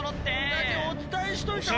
だってお伝えしといたほうが。